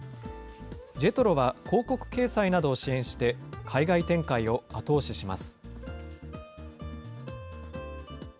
ＪＥＴＲＯは広告掲載などを支援して、海外展開を後押しします。